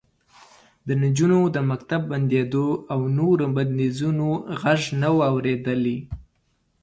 د نجونو د مکتب د بندېدو او نورو بندیزونو غږ نه و اورېدلی